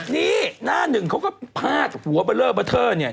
นี่หน้าหนึ่งเขาก็พาดหัวเบอร์เลอร์เบอร์เทอร์เนี่ย